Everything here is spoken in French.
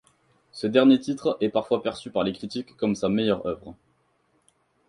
Ce dernier titre est parfois perçu par les critiques comme sa meilleure œuvre.